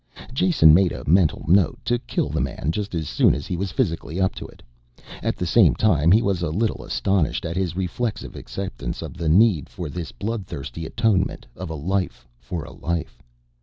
Jason made a mental note to kill the man just as soon as he was physically up to it, at the same time he was a little astonished at his reflexive acceptance of the need for this blood thirsty atonement of a life for a life.